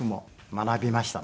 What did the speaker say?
学びましたね。